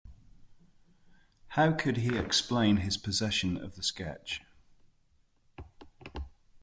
How could he explain his possession of the sketch.